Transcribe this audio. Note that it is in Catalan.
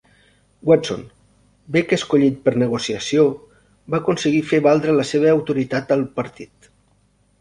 Watson, bé que escollit per negociació, va aconseguir fer valdre la seva autoritat al partit.